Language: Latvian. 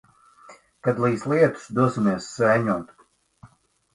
Kad līs lietus, dosimies sēņot.